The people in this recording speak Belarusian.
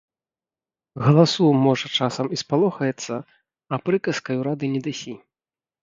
Галасу, можа, часам і спалохаецца, а прыказкаю рады не дасі.